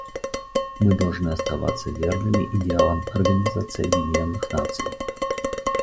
Мы должны оставаться верными идеалам Организации Объединенных Наций.